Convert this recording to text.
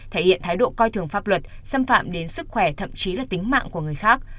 thể hiện thái độ coi thường pháp luật xâm phạm đến sức khỏe thậm chí là tính mạng của người khác